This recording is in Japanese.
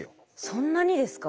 そんなにですか？